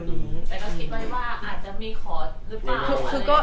แต่ก็คิดไว้ว่าอาจจะมีขอหรือเปล่า